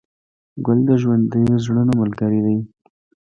ګل د ژوندي زړونو ملګری دی.